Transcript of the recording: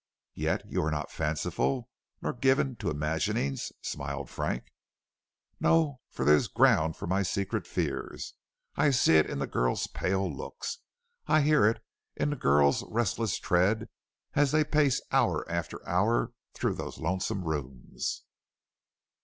"Yet you are not fanciful, nor given to imaginings," smiled Frank. "No, for there is ground for my secret fears. I see it in the girls' pale looks, I hear it in the girls' restless tread as they pace hour after hour through those lonesome rooms."